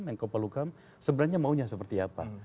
menko polukam sebenarnya maunya seperti apa